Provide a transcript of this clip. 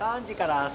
３時から。